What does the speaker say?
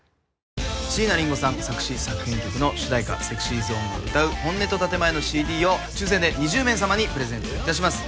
椎名林檎さん作詞作編曲の主題歌ＳｅｘｙＺｏｎｅが歌う「本音と建前」のＣＤを抽選で２０名様にプレゼントいたします。